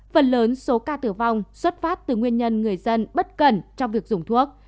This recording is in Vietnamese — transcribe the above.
phần lớn số ca tử vong xuất phát từ nguyên nhân người dân bất cẩn trong việc dùng thuốc